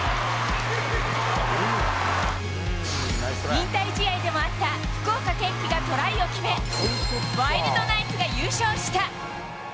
引退試合でもあった、福岡堅樹がトライを決め、ワイルドナイツが優勝した。